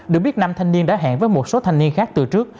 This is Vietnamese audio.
được biết năm thanh niên đã hẹn với một số thanh niên khác từ trước